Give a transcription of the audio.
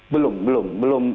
belum belum belum